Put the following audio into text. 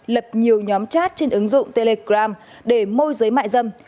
lập nhiều nhóm chat trên ứng dụng telegram để môi giới mại dâm